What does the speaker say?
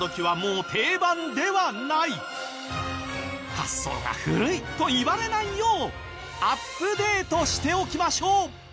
「発想が古い！」と言われないようアップデートしておきましょう。